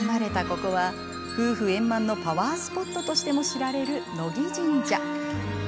ここは夫婦円満のパワースポットとしても知られる乃木神社。